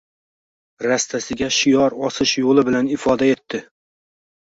rastasiga shior osish yo‘li bilan ifoda etdi?